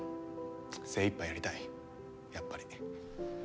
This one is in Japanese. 精いっぱいやりたいやっぱり。